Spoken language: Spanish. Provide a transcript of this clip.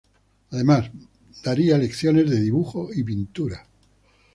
Además, daría lecciones de dibujo y pintura.